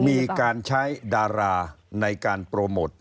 มีการใช้ดาราในการโปรโมท